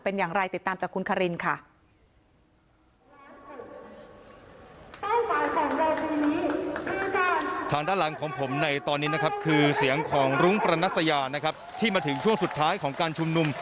นะครับคือเสียงของรุงปรณัสยานะครับที่มาถึงช่วงสุดท้ายของการชุมนุ่ม